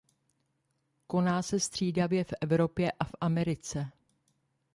Koná se střídavě v Evropě a v Americe.